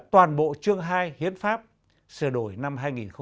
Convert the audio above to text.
toàn bộ chương hai hiến pháp sửa đổi năm hai nghìn một mươi ba